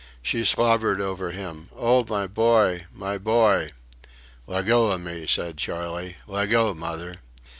She slobbered over him: "O, my boy! My boy!" "Leggo of me," said Charley, "Leggo, mother!"